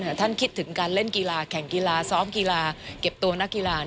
ท่านคิดถึงการเล่นกีฬาแข่งกีฬาซ้อมกีฬาเก็บตัวนักกีฬา